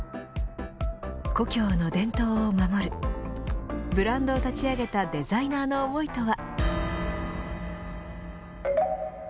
故郷の伝統を守るブランドを立ち上げたデザイナーの思いとは。